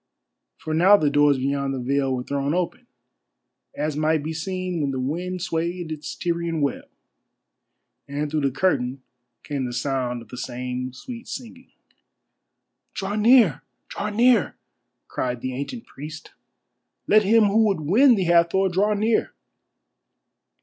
For now the doors beyond the veil were thrown open, as might be seen when the wind swayed its Tyrian web, and through the curtain came the sound of the same sweet singing. "Draw near! Draw near!" cried the ancient priest. "Let him who would win the Hathor draw near!"